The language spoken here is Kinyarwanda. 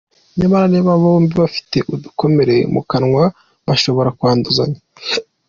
Nyamara niba bombi bafite udukomere mu kanwa bashobora kwanduzanya.